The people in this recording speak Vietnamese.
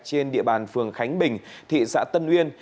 trên địa bàn phường khánh bình thị xã tân uyên